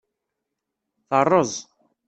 Teṛṛeẓ.